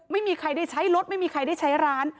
ไม่มีใครได้ใช้รถไม่มีใครได้ใช้ร้าน